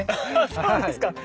そうですか！